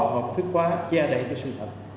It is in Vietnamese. hoặc thức hóa che đẩy cái sự thật